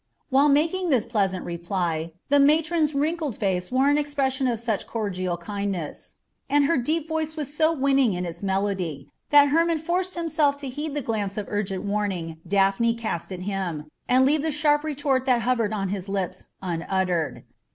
While making this pleasant reply the matron's wrinkled face wore an expression of such cordial kindness, and her deep voice was so winning in its melody, that Hermon forced himself to heed the glance of urgent warning Daphne cast at him, and leave the sharp retort that hovered on his lips unuttered.